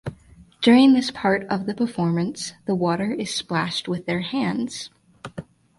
During this part of the performance, the water is splashed with their hands.